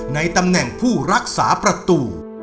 ในตำแหน่งผู้รักษาประตู